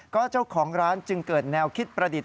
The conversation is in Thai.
ก็เจ้าของร้านจึงเกิดแนวคิดประดิษฐ